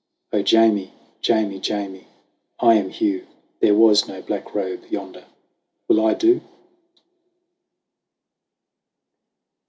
"O Jamie, Jamie, Jamie I am Hugh ! There was no Black Robe yonder Will I do